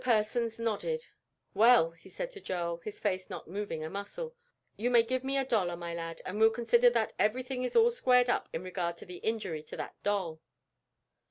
Persons nodded. "Well," he said to Joel, his face not moving a muscle, "you may give me a dollar, my lad, and we'll consider that everything is all squared up in regard to the injury to that doll."